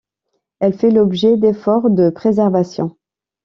Elle fait l'objet d'efforts de préservation.